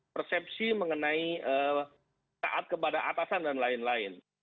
persepsi mengenai taat kepada atasan dan lain lain